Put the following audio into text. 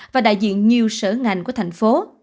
và đại diện nhiều sở ngành của thành phố